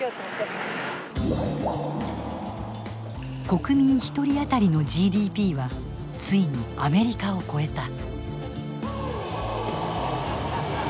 国民１人あたりのＧＤＰはついにアメリカを超えた。